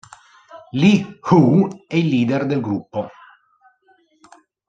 Lee Hoo è il leader del gruppo.